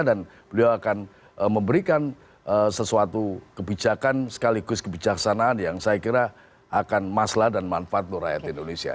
dan beliau akan memberikan sesuatu kebijakan sekaligus kebijaksanaan yang saya kira akan maslah dan manfaat untuk rakyat indonesia